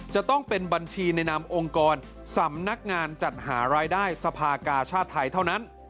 จะต้องเป็นบัญชีในนามองค์กรสำนักงานจัดหารายได้สภากาชาติไทยเท่านั้น